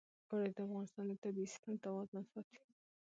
اوړي د افغانستان د طبعي سیسټم توازن ساتي.